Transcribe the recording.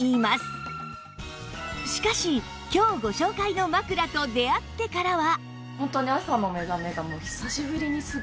しかし今日ご紹介の枕と出会ってからは